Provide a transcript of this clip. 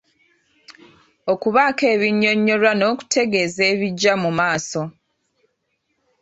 Okubaako ebinnyonnyolwa n’okutegeeza ebijja mu maaso.